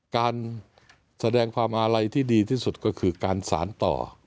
การแสดงความอาลัยที่ดีที่สุดก็คือการสารต่อ